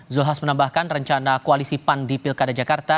zulhas menambahkan rencana koalisi pan di pilkada jakarta